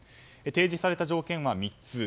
提示された条件は３つ。